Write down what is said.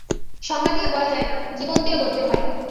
সংজ্ঞা দিয়ে বলা যায় না, জীবন দিয়ে বলতে হয়।